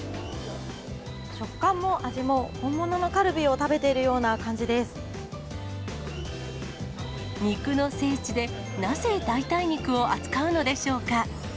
食感も味も、本物のカルビを肉の聖地で、なぜ代替肉を扱うのでしょうか。